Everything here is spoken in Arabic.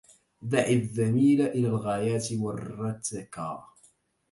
دع الذميل إلى الغايات والرتكا